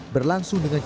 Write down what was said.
berlangsung di jokowi jk